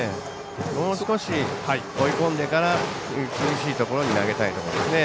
もう少し追い込んでから厳しいところに投げたいところですね。